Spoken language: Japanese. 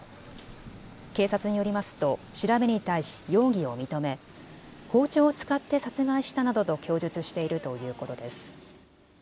警察によりますと調べに対し容疑を認め包丁を使って殺害したなどと供述しているということです。